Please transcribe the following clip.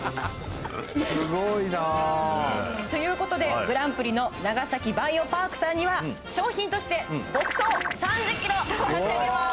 すごいなということでグランプリの長崎バイオパークさんには賞品として牧草３０ｋｇ差し上げます